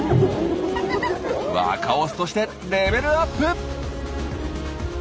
若オスとしてレベルアップ！